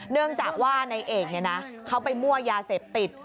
เนื่องจากว่านายเอกเขาไปมั่วยาเสพติด